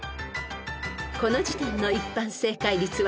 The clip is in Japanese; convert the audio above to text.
［この時点の一般正解率は５３％］